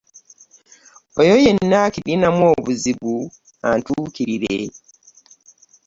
Oyo Yenna akirinamu obuzibu antuukirire.